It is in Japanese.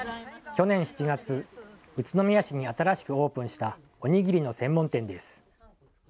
去年７月、宇都宮市に新しくオープンしたお握りの専門店です。